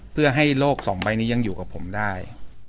เพื่อให้โลกสองใบนี้ยังอยู่กับผมได้